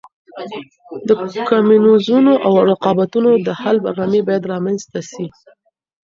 د کميزونو او رقابتونو د حل برنامې باید رامنځته سي.